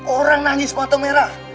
orang nangis mata merah